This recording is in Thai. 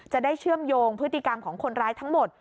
เชื่อมโยงพฤติกรรมของคนร้ายทั้งหมด